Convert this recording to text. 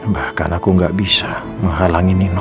bahkan aku gak bisa menghalangi nina